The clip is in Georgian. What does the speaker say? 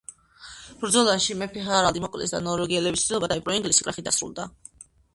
ბრძოლაში მეფე ჰარალდი მოკლეს და ნორვეგიელების მცდელობა დაეპყრო ინგლისი, კრახით დასრულდა.